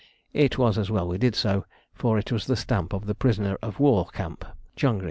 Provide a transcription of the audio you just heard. It was as well we did so, for it was the stamp of the Prisoners of War Camp, Changri.